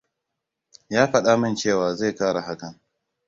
Ya faɗa min cewa zai kara hakan.